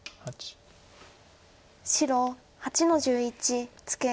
白８の十一ツケ。